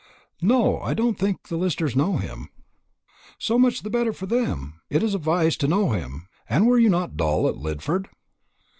"No, I don't think the Listers know him." "So much the better for them! It is a vice to know him. And you were not dull at Lidford?"